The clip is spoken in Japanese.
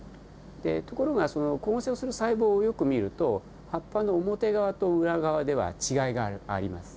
ところが光合成をする細胞をよく見ると葉っぱの表側と裏側では違いがあります。